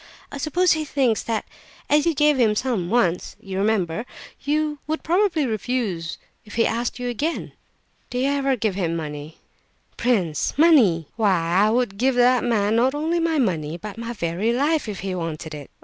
I suppose he thinks that as you gave him some once (you remember), you would probably refuse if he asked you again." "Do you ever give him money?" "Prince! Money! Why I would give that man not only my money, but my very life, if he wanted it.